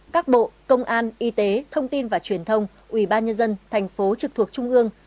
các bộ công an y tế thông tin và truyền thông ủy ban nhân dân thành phố trực thuộc trung ương